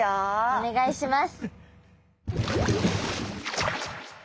お願いします。